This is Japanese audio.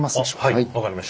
はい分かりました。